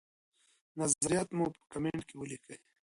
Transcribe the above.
نظریات مو په کمنټ کي ولیکئ.